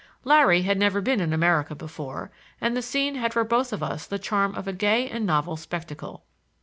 Larry had never been in America before, and the scene had for both of us the charm of a gay and novel spectacle.